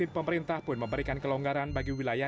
pemerintah pun memberikan kelonggaran bagi wilayah